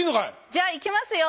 じゃいきますよ。